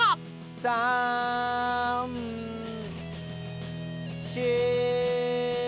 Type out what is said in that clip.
３４。